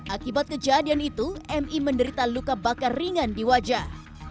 akibat kejadian itu mi menderita luka bakar ringan di wajah